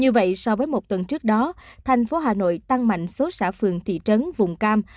như vậy so với một tuần trước đó thành phố hà nội tăng mạnh số xã phường thị trấn vùng cam